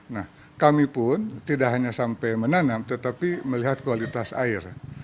nah kami pun tidak hanya sampai menanam tetapi melihat kualitas air